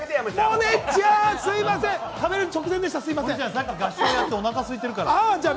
萌音ちゃん、さっき合唱やって、おなかすいてるから。